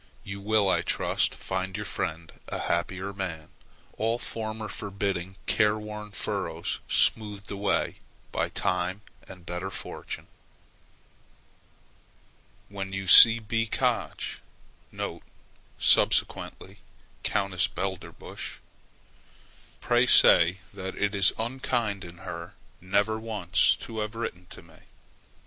You will, I trust, find your friend a happier man, all former forbidding, careworn furrows smoothed away by time and better fortune. When you see B. Koch [subsequently Countess Belderbusch], pray say that it is unkind in her never once to have written to me.